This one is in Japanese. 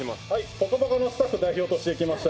「ぽかぽか」のスタッフ代表としてきました。